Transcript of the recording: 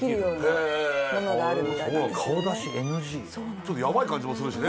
ちょっとやばい感じもするしね。